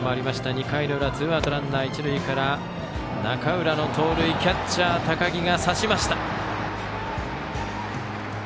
２回裏ツーアウトランナー、一塁から中浦の盗塁をキャッチャーの高木が刺しました。